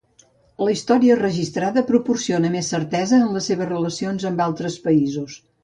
La història registrada proporciona més certesa en les seves relacions amb altres països.